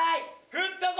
ふったぞ！